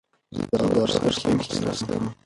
زه د هغه ترڅنګ کښېناستم.